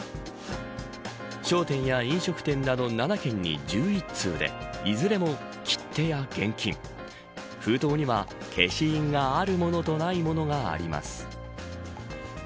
商店や飲食店など７軒に１１通で、いずれも切手や現金封筒には、消印があるものとないものがあります。